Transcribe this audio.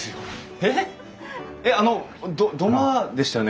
えっあのど土間でしたよね？